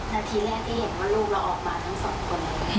นาทีแรกที่เห็นว่าลูกเราออกมาทั้งสองคน